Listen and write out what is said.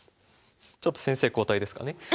ちょっと先生交代ですかね。